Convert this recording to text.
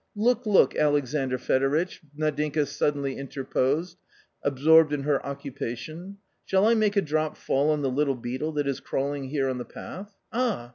"Look, look, Alexandr Fedovitch," Nadinka suddenly interposed, absorbed in her occupation. " Shall I make a drop fall on the little beetle that is crawling here on the path ?.... Ah